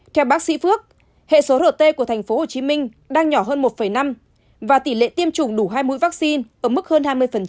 theo bác sĩ phước hệ số rt của tp hcm đang nhỏ hơn một năm và tỷ lệ tiêm chủng đủ hai mũi vaccine ở mức hơn hai mươi